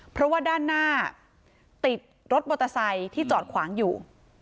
เพราะว่าด้านหน้าติดรถมอเตอร์ไซค์ที่จอดขวางอยู่